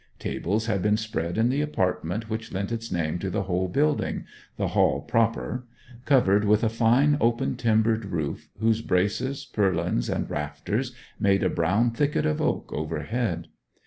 Tables had been spread in the apartment which lent its name to the whole building the hall proper covered with a fine open timbered roof, whose braces, purlins, and rafters made a brown thicket of oak overhead.